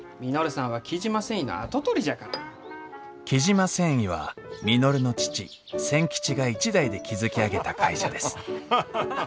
雉真繊維は稔の父千吉が一代で築き上げた会社です。